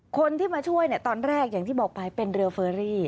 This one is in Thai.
คนที่มาช่วยตอนแรกอย่างที่บอกไปเป็นเรือเฟอรี่